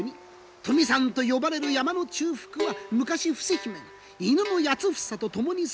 富山と呼ばれる山の中腹は昔伏姫が犬の八房と共に住んだ洞穴の前。